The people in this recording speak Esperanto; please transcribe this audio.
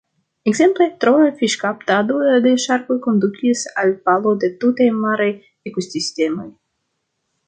Ekzemple, troa fiŝkaptado de ŝarkoj kondukis al falo de tutaj maraj ekosistemoj.